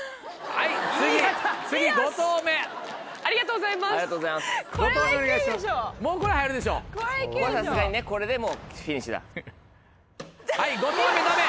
はい５投目ダメ！